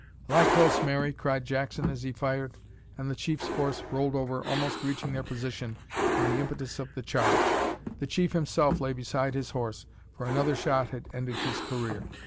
"Lie close, Mary," cried Jackson as he fired, and the chief's horse rolled over, almost reaching their position with the impetus of the charge. The chief himself lay beside his horse, for another shot had ended his career.